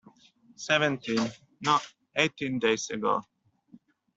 Seventeen, no, eighteen days ago.